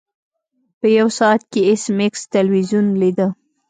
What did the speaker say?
په یو ساعت کې ایس میکس تلویزیون لیده